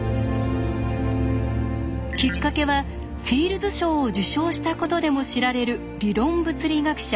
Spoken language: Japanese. きっかけはフィールズ賞を受賞したことでも知られる理論物理学者